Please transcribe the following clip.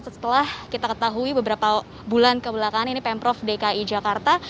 setelah kita ketahui beberapa bulan kebelakangan ini pemprov dki jakarta